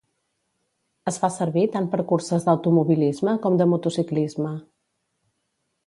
Es fa servir tant per curses d'automobilisme com de motociclisme.